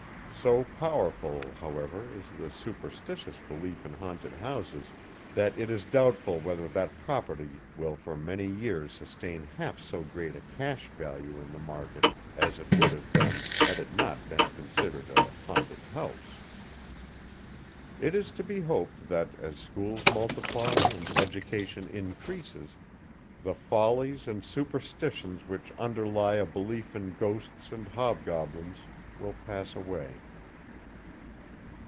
So powerful, however is the superstitious belief in haunted houses, that it is doubtful whether that property will for many years sustain half so great a cash value in the market as it would have done had it not been considered a "haunted house." It is to be hoped that, as schools multiply and education increases, the follies and superstitions which underlie a belief in ghosts and hobgoblins will pass away.